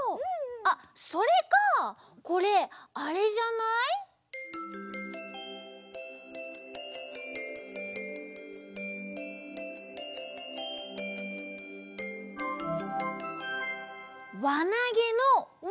あっそれかこれあれじゃない？わなげのわ！